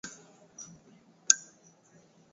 Matibabu ya visa vinavyobainika